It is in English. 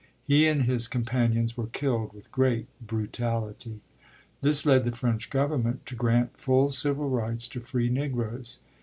He and his companions were killed with great brutality. This led the French government to grant full civil rights to free Negroes.